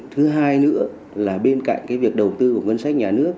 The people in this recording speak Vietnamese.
thứ hai nữa là bên cạnh cái việc đầu tư của ngân sách nhà nước